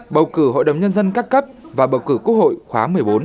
bầu cử hội đồng nhân dân các cấp và bầu cử quốc hội khóa một mươi bốn